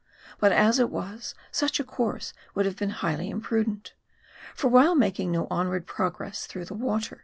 But as it was, such a course would have been highly imprudent. For while making no onward progress through the water, MA ED I.